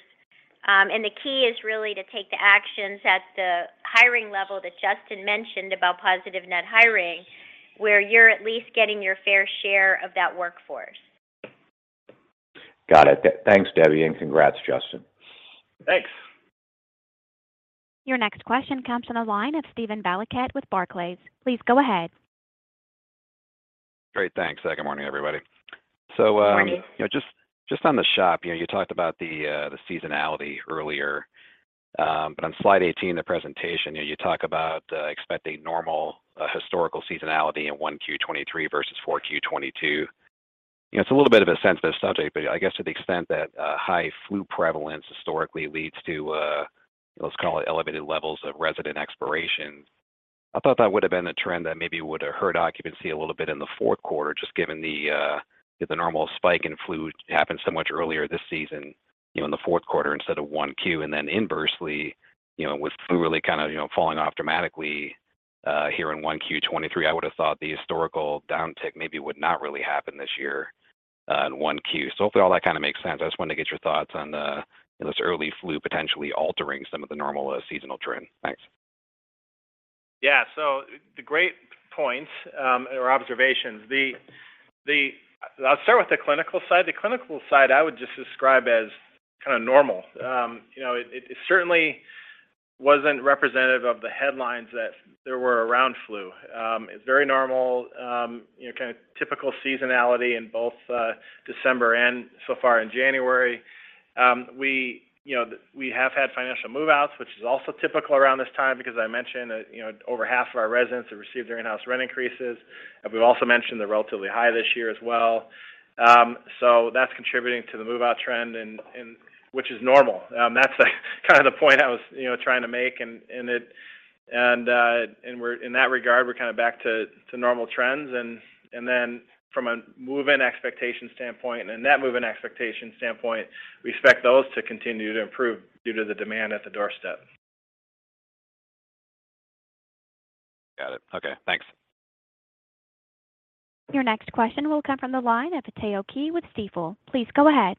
The key is really to take the actions at the hiring level that Justin mentioned about positive net hiring, where you're at least getting your fair share of that workforce. Got it. thanks, Debbie, and congrats, Justin. Thanks. Your next question comes from the line of Steven Valiquette with Barclays. Please go ahead. Great. Thanks. Good morning, everybody. Morning. You know, just on the SHOP, you know, you talked about the seasonality earlier. On slide 18 of the presentation, you know, you talk about expecting normal historical seasonality in 1Q '23 versus 4Q '22. You know, it's a little bit of a sensitive subject, but I guess to the extent that high flu prevalence historically leads to, let's call it elevated levels of resident expirations. I thought that would have been a trend that maybe would have hurt occupancy a little bit in the fourth quarter just given the, you know, the normal spike in flu happened so much earlier this season, you know, in the fourth quarter instead of 1Q. Inversely, you know, with flu really kind of, you know, falling off dramatically here in 1Q 2023, I would have thought the historical downtick maybe would not really happen this year in 1Q. Hopefully all that kind of makes sense. I just wanted to get your thoughts on, you know, this early flu potentially altering some of the normal seasonal trend. Thanks. The great points, or observations. I'll start with the clinical side. The clinical side I would just describe as kind of normal. You know, it certainly wasn't representative of the headlines that there were around flu. It's very normal, you know, kind of typical seasonality in both December and so far in January. We, you know, we have had financial move-outs, which is also typical around this time because I mentioned that, you know, over half of our residents have received their in-house rent increases. We've also mentioned they're relatively high this year as well. So that's contributing to the move-out trend, which is normal. That's kind of the point I was, you know, trying to make and in that regard, we're kind of back to normal trends. From a move-in expectation standpoint, a net move-in expectation standpoint, we expect those to continue to improve due to the demand at the doorstep. Got it. Okay. Thanks. Your next question will come from the line of Tao Qiu with Stifel. Please go ahead.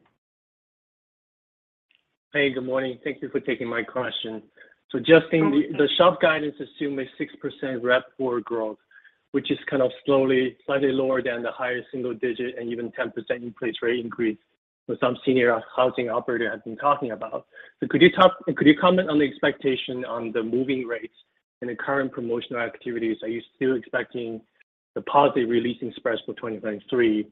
Hey, good morning. Thank you for taking my question. Justin, the SHOP guidance assume a 6% RevPOR growth, which is kind of slowly, slightly lower than the higher single digit and even 10% increase rate increase that some senior housing operator have been talking about. Could you comment on the expectation on the moving rates and the current promotional activities? Are you still expecting the positive release in spreads for 2023?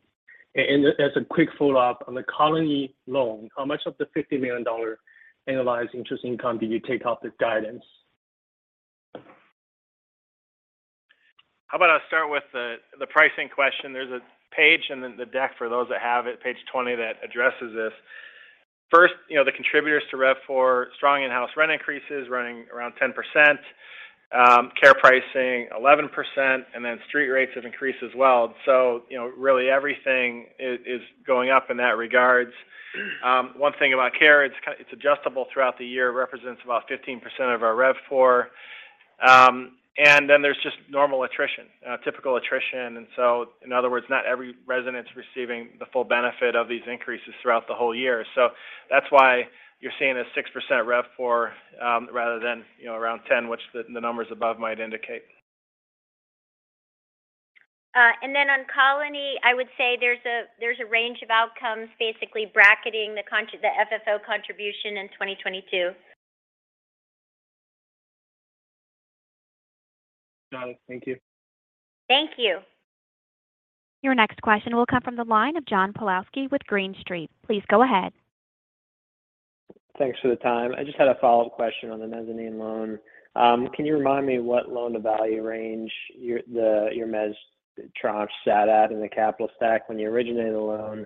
And as a quick follow-up, on the Colony loan, how much of the $50 million annualized interest income do you take out the guidance? How about I start with the pricing question. There's a page in the deck for those that have it, page 20, that addresses this. First, you know, the contributors to RevPOR, strong in-house rent increases running around 10%, care pricing 11%. Then street rates have increased as well. You know, really everything is going up in that regards. One thing about care, it's adjustable throughout the year. It represents about 15% of our RevPOR. Then there's just normal attrition, typical attrition. In other words, not every resident's receiving the full benefit of these increases throughout the whole year. That's why you're seeing a 6% RevPOR, rather than, you know, around 10, which the numbers above might indicate. On Colony, I would say there's a range of outcomes basically bracketing the FFO contribution in 2022. Got it. Thank you. Thank you. Your next question will come from the line of John Pawlowski with Green Street. Please go ahead. Thanks for the time. I just had a follow-up question on the mezzanine loan. Can you remind me what loan-to-value range your mezz tranche sat at in the capital stack when you originated the loan?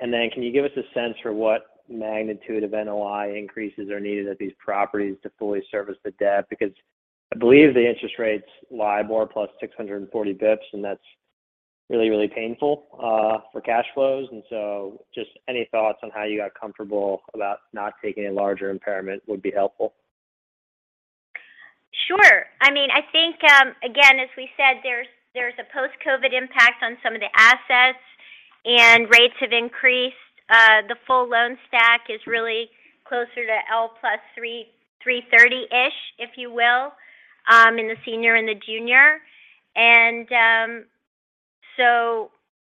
Can you give us a sense for what magnitude of NOI increases are needed at these properties to fully service the debt? I believe the interest rates lie more plus 640 basis points, and that's really, really painful for cash flows. Just any thoughts on how you got comfortable about not taking a larger impairment would be helpful. Sure. I mean, I think, again, as we said, there's a post-COVID impact on some of the assets, and rates have increased. The full loan stack is really closer to L + 3.30-ish, if you will, in the senior and the junior.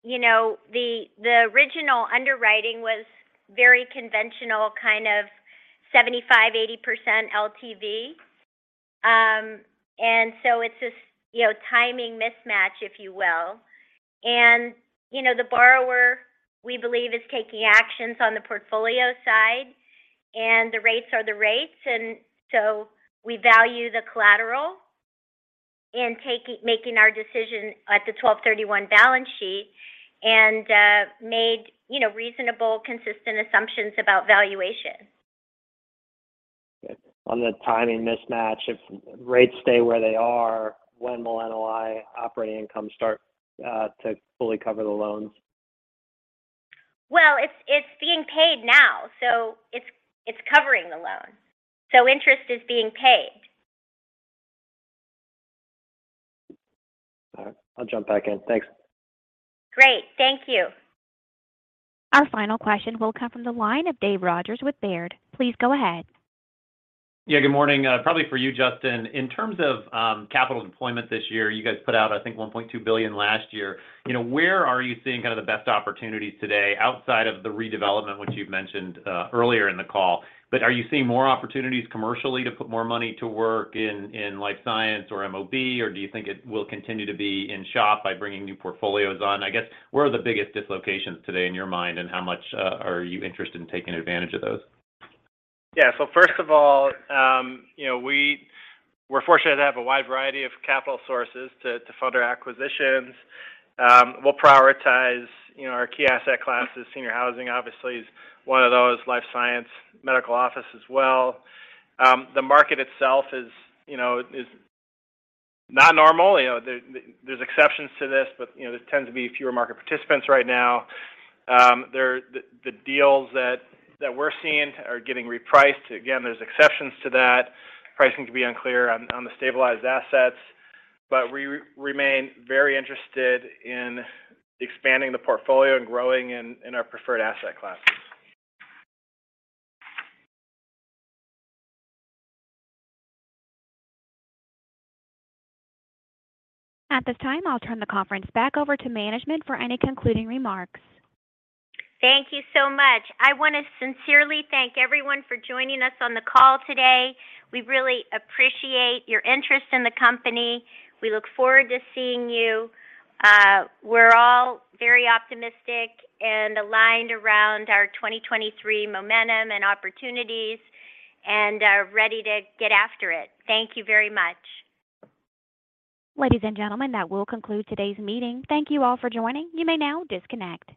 You know, the original underwriting was very conventional, kind of 75%, 80% LTV. It's this, you know, timing mismatch, if you will. You know, the borrower, we believe, is taking actions on the portfolio side, and the rates are the rates. We value the collateral in making our decision at the 12/31 balance sheet and, made, you know, reasonable, consistent assumptions about valuation. On the timing mismatch, if rates stay where they are, when will NOI operating income start to fully cover the loans? Well, it's being paid now, so it's covering the loan. Interest is being paid. All right. I'll jump back in. Thanks. Great. Thank you. Our final question will come from the line of Dave Rodgers with Baird. Please go ahead. Yeah, good morning. Probably for you, Justin. In terms of capital employment this year, you guys put out, I think, $1.2 billion last year. You know, where are you seeing kind of the best opportunities today outside of the redevelopment, which you've mentioned earlier in the call? Are you seeing more opportunities commercially to put more money to work in life science or MOB? Or do you think it will continue to be in SHOP by bringing new portfolios on? I guess, where are the biggest dislocations today in your mind, and how much are you interested in taking advantage of those? Yeah. First of all, you know, we're fortunate to have a wide variety of capital sources to fund our acquisitions. We'll prioritize, you know, our key asset classes. Senior housing obviously is one of those, life science, medical office as well. The market itself is, you know, is not normal. You know, there's exceptions to this, but, you know, there tends to be fewer market participants right now. The deals that we're seeing are getting repriced. Again, there's exceptions to that. Pricing can be unclear on the stabilized assets. We remain very interested in expanding the portfolio and growing in our preferred asset classes. At this time, I'll turn the conference back over to management for any concluding remarks. Thank you so much. I wanna sincerely thank everyone for joining us on the call today. We really appreciate your interest in the company. We look forward to seeing you. We're all very optimistic and aligned around our 2023 momentum and opportunities and are ready to get after it. Thank you very much. Ladies and gentlemen, that will conclude today's meeting. Thank you all for joining. You may now disconnect.